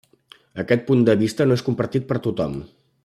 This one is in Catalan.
Aquest punt de vista no és compartit per tothom.